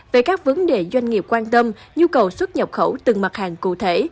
về các vấn đề doanh nghiệp quan tâm nhu cầu xuất nhập khẩu từng mặt hàng cụ thể